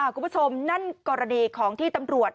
คุณผู้ชมนั่นกรณีของที่ตำรวจ